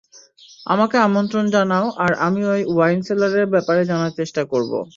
আমাকে আমন্ত্রন জানাও আর আমি ওই ওয়াইন সেলারের ব্যাপারে জানার চেষ্টা করব।